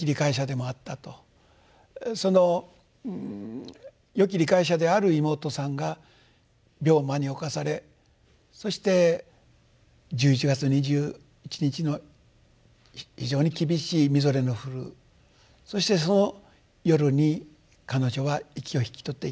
そのよき理解者である妹さんが病魔に侵されそして１１月２７日の非常に厳しいみぞれの降るそしてその夜に彼女は息を引き取っていきます。